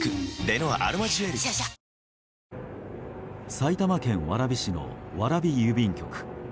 埼玉県蕨市の蕨郵便局。